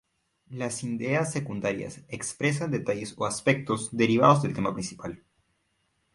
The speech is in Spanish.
Las ideas secundarias expresan detalles o aspectos derivados del tema principal.